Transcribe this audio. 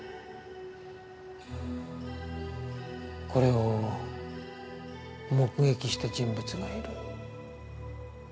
これを目撃した人物がいる。